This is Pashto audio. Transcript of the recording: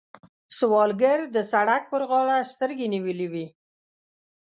سوالګر د سړک پر غاړه سترګې نیولې وي